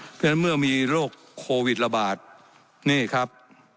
เพราะฉะนั้นเมื่อมีโรคโควิดระบาดนี่ครับ